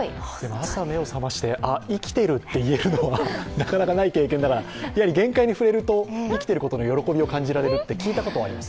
朝、目を覚まして「あ、生きてる」って言いえるのはなかなかない経験だから限界に触れると生きているとの喜びを感じられると聞いたことがあります。